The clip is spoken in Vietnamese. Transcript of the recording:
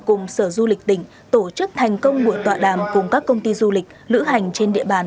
cùng sở du lịch tỉnh tổ chức thành công buổi tọa đàm cùng các công ty du lịch lữ hành trên địa bàn